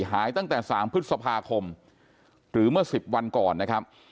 หายตั้งแต่๓พฤษภาคมหรือเมื่อ๑๐วันก่อนนะครับ